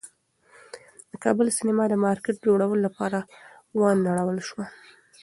د کابل سینما د مارکېټ جوړولو لپاره ونړول شوه.